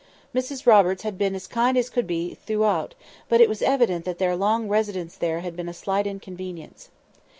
Mrs Roberts had been as kind as could be all throughout, but it was evident that their long residence there had been a slight inconvenience.